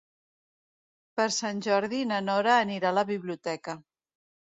Per Sant Jordi na Nora anirà a la biblioteca.